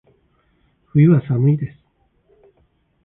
冬は、寒いです。